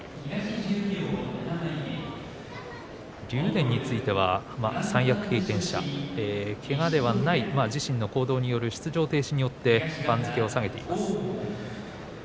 竜電については、三役経験者けがではない自身の行動による出場停止によって番付を下げています。